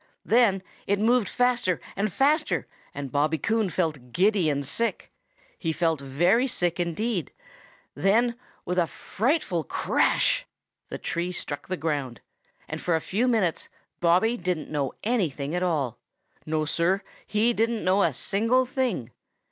Then it moved faster and faster, and Bobby Coon felt giddy and sick. He felt very sick indeed. Then, with a frightful crash, the tree struck the ground, and for a few minutes Bobby didn't know anything at all. No, Sir, he didn't know a single thing.